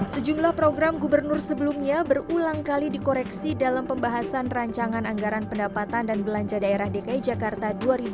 sejumlah program gubernur sebelumnya berulang kali dikoreksi dalam pembahasan rancangan anggaran pendapatan dan belanja daerah dki jakarta dua ribu dua puluh